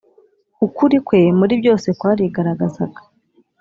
ukuli kwe muri byose kwarigaragazaga.